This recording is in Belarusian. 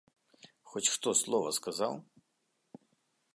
Хто хоць слова сказаў?